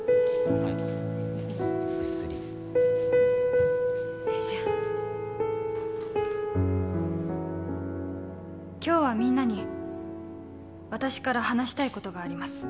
はいぐっすりよいしょ今日はみんなに私から話したいことがあります